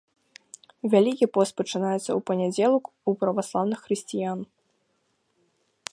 Вялікі пост пачынаецца ў панядзелак у праваслаўных хрысціян.